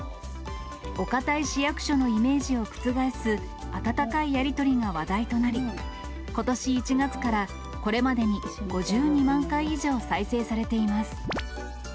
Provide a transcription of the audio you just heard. お堅い市役所のイメージを覆す温かいやり取りが話題となり、ことし１月からこれまでに５２万回以上再生されています。